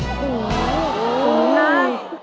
โอ้โฮ